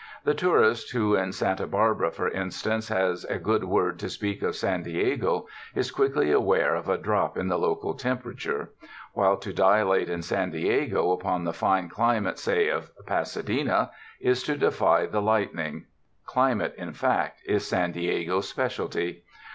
The tourist who in Santa Barbara, for instance, has a good word to speak of San Diego, is quickly aware of a drop in the local temperature; while to dilate in San Diego upon the fine climate, say of Pasadena, is to defy the lightning. Climate, in fact, is San Diego's specialty.